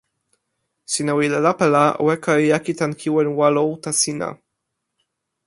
sina wile lape la o weka e jaki tan kiwen walo uta sina.